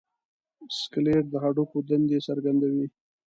سکلیټ د هډوکو دندې څرګندوي.